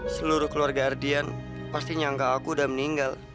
seluruh keluarga ardian pastinya angka aku udah meninggal